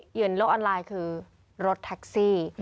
อยู่ในโลกออนไลน์คือรถแท็กซี่